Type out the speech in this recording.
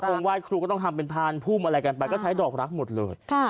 วายกงวายครูก็ต้องทำเป็นพานภูมิมาลัยกันไปก็ใช้ดอกรักหมดเลย